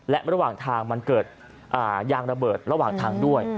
และระหว่างทางมันเกิดยางระเบิดระหว่างทางด้วย